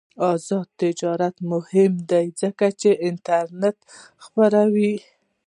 آزاد تجارت مهم دی ځکه چې انټرنیټ خپروي.